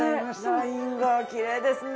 ラインがきれいですね！